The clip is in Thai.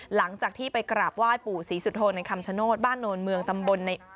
หลังจากที่ไปกราบไหว้ปู่ศรีสุโธในคำชโนธบ้านโนนเมืองตำบลใน